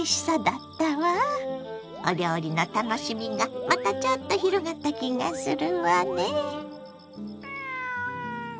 お料理の楽しみがまたちょっと広がった気がするわね。